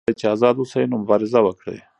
که تاسو غواړئ چې آزاد اوسئ نو مبارزه وکړئ.